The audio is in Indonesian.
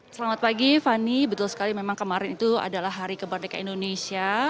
selamat pagi fani betul sekali memang kemarin itu adalah hari kemerdekaan indonesia